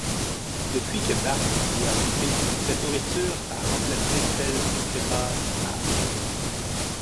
Depuis que Bart y a goûté, cette nourriture a remplacé celle que prépare Marge.